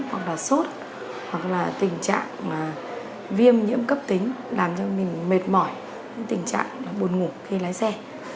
hoặc là sốt hoặc là tình trạng mà viêm nhiễm cấp tính làm cho mình mệt mỏi những tình trạng buồn ngủ khi lái xe